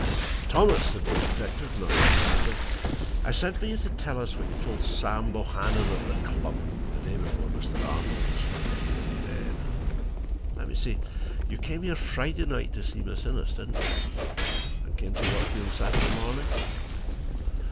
"Thomas," said the detective, not unkindly, "I sent for you to tell us what you told Sam Bohannon at the club, the day before Mr. Arnold was found here, dead. Let me see. You came here Friday night to see Miss Innes, didn't you? And came to work here Saturday morning?"